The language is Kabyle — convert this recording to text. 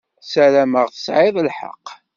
Sarameɣ tesεiḍ lḥeqq.